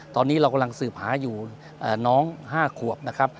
ตอนนี้เรากำลังสืบหาอยู่น้อง๕ขวบนะครับ